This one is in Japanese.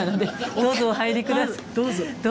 どうぞお入りください。